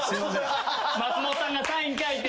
松本さんがサイン書いて。